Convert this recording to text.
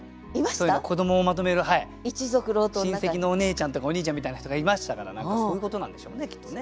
子どもをまとめる親戚のおねえちゃんとかおにいちゃんみたいな人がいましたから何かそういうことなんでしょうねきっとね。